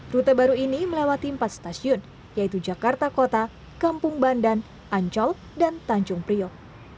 rute baru ini melewati empat stasiun yaitu jakarta kota kampung bandan ancol dan tanjung priok